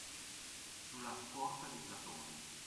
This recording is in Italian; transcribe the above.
Su la scorta di Platone